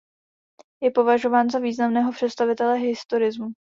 Je považován za významného představitele historismu.